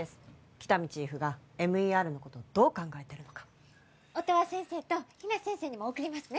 喜多見チーフがＭＥＲのことどう考えてるのか音羽先生と比奈先生にも送りますね